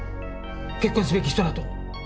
結婚すべき人だと。